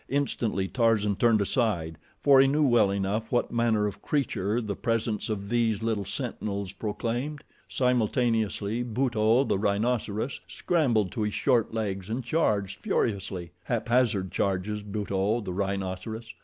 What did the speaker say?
Instantly Tarzan turned aside, for he knew well enough what manner of creature the presence of these little sentinels proclaimed. Simultaneously Buto, the rhinoceros, scrambled to his short legs and charged furiously. Haphazard charges Buto, the rhinoceros.